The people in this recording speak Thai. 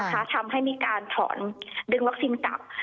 ทำให้มีการถอนดึงวัคซีนกลับ